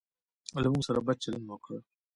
له موږ سره بد چلند وکړ.